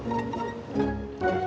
gua bucksain baru